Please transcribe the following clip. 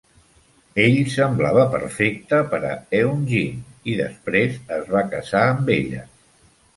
Ell semblava perfecte per a Eun-jin i després es va casar amb ella.